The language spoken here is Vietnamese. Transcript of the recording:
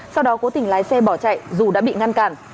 sau đó cố tình lái xe bỏ chạy dù đã bị ngăn cản